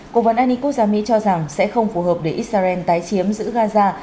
cố vấn an ninh quốc gia mỹ cho rằng sẽ không phù hợp để israel tái chiếm giữ gaza